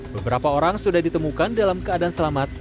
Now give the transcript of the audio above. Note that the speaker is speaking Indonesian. beberapa orang sudah ditemukan dalam keadaan selamat